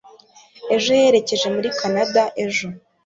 ejo yerekeje muri kanada ejo